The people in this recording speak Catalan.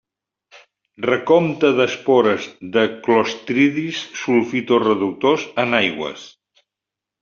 Recompte d'espores de clostridis sulfito-reductors en aigües.